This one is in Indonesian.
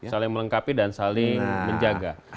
saling melengkapi dan saling menjaga